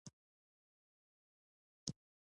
څوک یې د زرجانې زوی لاړې پکې متل د ساده سړي کیسه ده